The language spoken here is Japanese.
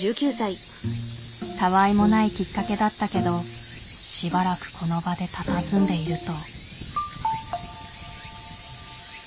たわいもないきっかけだったけどしばらくこの場でたたずんでいると。